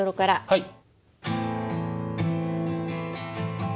はい。